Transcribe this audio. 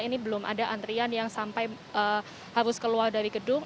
ini belum ada antrian yang sampai harus keluar dari gedung